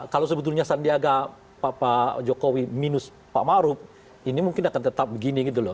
kalau sebetulnya sandiaga pak jokowi minus pak maruf ini mungkin akan tetap begini gitu loh